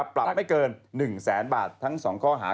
ปรับไม่เกิน๑แสนบาททั้ง๒ข้อหา